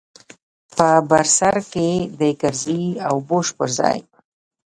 په بر سر کښې د کرزي او بوش پر ځاى.